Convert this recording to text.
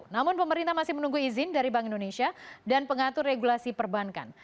namun pemerintah masih menunggu izin dari bank indonesia dan pengatur regulasi perbankan